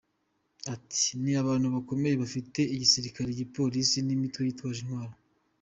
Ati “Ni abantu bakomeye, bafite igisirikare, igipolisi n’imitwe yitwaje intwaro.